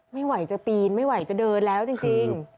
ไม่ไหวจะปีนไม่ไหวจะเดินแล้วจริง